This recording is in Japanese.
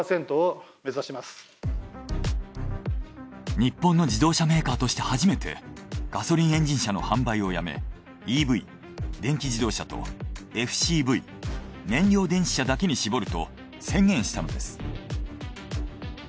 日本の自動車メーカーとして初めてガソリンエンジン車の販売をやめＥＶ電気自動車とＦＣＶ燃料電池車だけに絞ると宣言したのです。